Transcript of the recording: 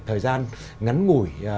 thời gian ngắn ngủi